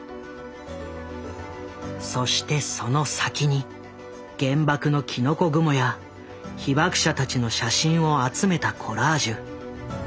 そしてその先に原爆のきのこ雲や被爆者たちの写真を集めたコラージュ。